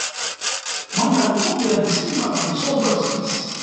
Mwana ali kudya ntsima na ntsomba ziwisi.